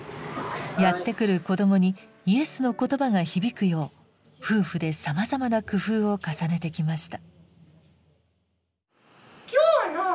やって来る子どもにイエスの言葉が響くよう夫婦でさまざまな工夫を重ねてきました。